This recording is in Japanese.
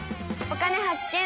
「お金発見」。